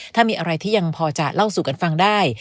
ถ้ามีอะไรที่ยังพอจะเล่าสู่กันฟังได้